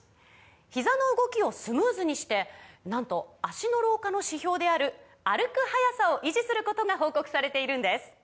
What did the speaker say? ひざの動きをスムーズにしてなんと脚の老化の指標である歩く速さを維持することが報告されているんです